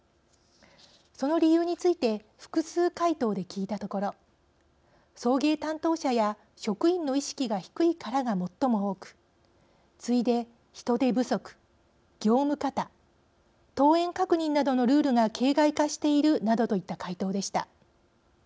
その理由について複数回答で聞いたところ「送迎担当者や職員の意識が低いから」が最も多く、次いで「人手不足」「業務過多」「登園確認などのルールが形骸化している」などといった回答でした。